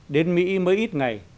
đến mỹ mới ít ngày